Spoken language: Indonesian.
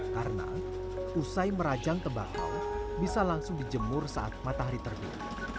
karena usai merajang tembakau bisa langsung dijemur saat matahari terjun